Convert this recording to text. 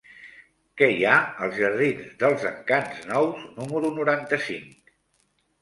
Què hi ha als jardins dels Encants Nous número noranta-cinc?